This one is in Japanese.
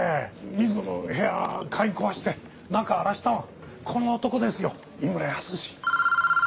水野の部屋鍵壊して中荒らしたのもこの男ですよ井村泰。